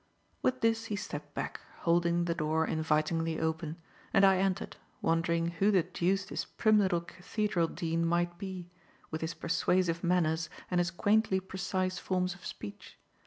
With this he stepped back, holding the door invitingly open, and I entered, wondering who the deuce this prim little cathedral dean might be, with his persuasive manners and his quaintly precise forms of speech.